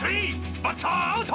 バッターアウト！